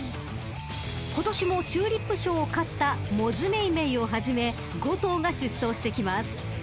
［今年もチューリップ賞を勝ったモズメイメイを始め５頭が出走してきます！］